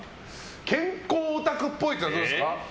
健康オタクっぽいってどういうことですか？